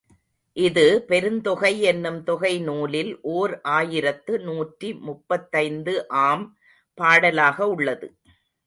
இது, பெருந்தொகை என்னும் தொகை நூலில் ஓர் ஆயிரத்து நூற்றி முப்பத்தைந்து ஆம் பாடலாக உள்ளது.